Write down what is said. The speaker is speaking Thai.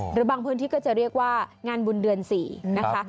หรือบางพื้นที่ก็จะเรียกว่างานบุญเดือน๔นะคะ